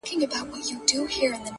زموږ پر زخمونو یې همېش زهرپاشي کړې ده،